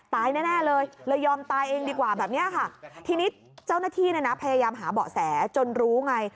ตายแน่เลยเลยยอมตายเองดีกว่าแบบนี้ค่ะทีนี้เจ้าหน้าที่เนี่ยนะพยายามหาเบาะแสจนรู้ไง